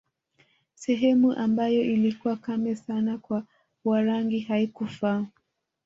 Sehemu ambayo ilikuwa kame sana kwa Warangi haikufaa